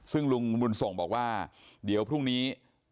ซึ่งลุงบุญส่งบอกว่าเดี๋ยวพรุ่งนี้